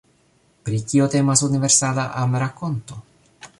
Pri kio temas Universala Amrakonto?